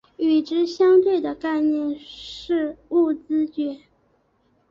与之相对的概念是物知觉。